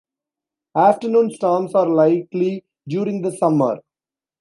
Afternoon storms are likely during the summer.